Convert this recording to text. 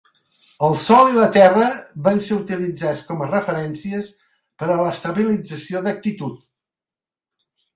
El sol i la terra van ser utilitzats com a referències per a l'estabilització d'actitud.